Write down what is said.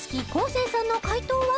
生さんの解答は？